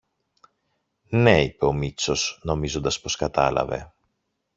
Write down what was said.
Ναι, είπε ο Μήτσος νομίζοντας πως κατάλαβε